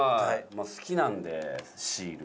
まあ好きなんでシール。